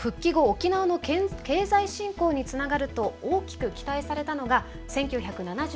沖縄の経済振興につながると大きく期待されたのが１９７５年の沖縄海洋博です。